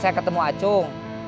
saya ketemu acung